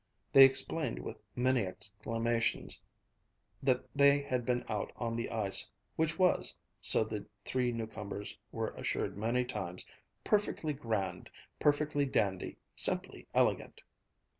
They explained with many exclamations that they had been out on the ice, which was, so the three new comers were assured many times, "perfectly grand, perfectly dandy, simply elegant!"